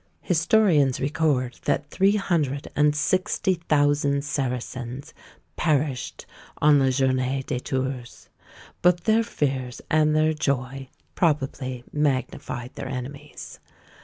Historians record that three hundred and sixty thousand Saracens perished on la journée de Tours; but their fears and their joy probably magnified their enemies.